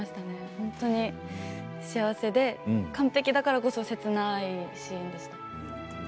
本当に幸せで完璧だからこそ切ないシーンでした。